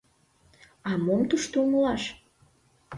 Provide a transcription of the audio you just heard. — А мом тушто умылаш?